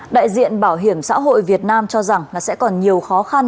đại diện bảo hiểm xã hội việt nam cho rằng là sẽ còn nhiều khó khăn